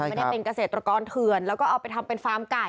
ไม่ได้เป็นเกษตรกรเถื่อนแล้วก็เอาไปทำเป็นฟาร์มไก่